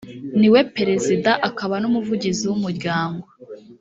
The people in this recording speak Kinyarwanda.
niwe perezida akaba numuvugizi w’umuryango